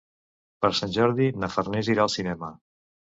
Per Sant Jordi na Farners irà al cinema.